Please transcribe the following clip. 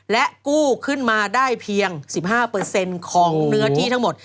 และกู้ขึ้นมาได้เพียง๑๕ของเนื้อที่ทั้งหมด